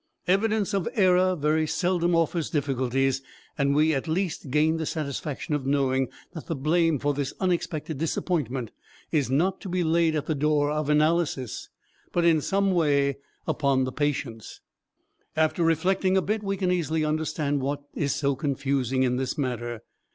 Evidence of error very seldom offers difficulties, and we at least gain the satisfaction of knowing that the blame for this unexpected disappointment is not to be laid at the door of analysis, but in some way upon the patients. After reflecting a bit we can easily understand what is so confusing in this matter.